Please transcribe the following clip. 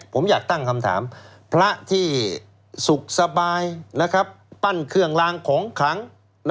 ผมอยากตั้งคำถามพระที่สุขสบายปั้นเครื่องลางของขัง